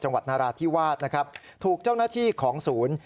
นาราธิวาสนะครับถูกเจ้าหน้าที่ของศูนย์